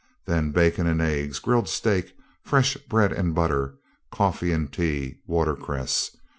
Then bacon and eggs, grilled steak, fresh bread and butter, coffee and tea, watercresses.